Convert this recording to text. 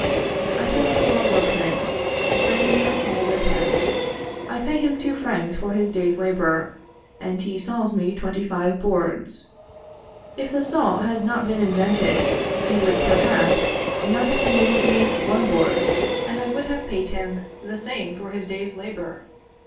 I send for a workman; he brings a saw with him; I pay him two francs for his day's labor, and he saws me twenty five boards. If the saw had not been invented, he would perhaps not have been able to make one board, and I would have paid him the same for his day's labor.